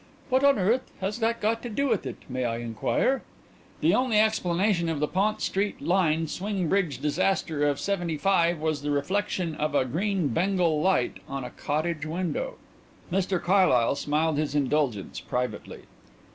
"What on earth has that got to do with it, may I inquire?" "The only explanation of the Pont St Lin swing bridge disaster of '75 was the reflection of a green bengal light on a cottage window." Mr Carlyle smiled his indulgence privately.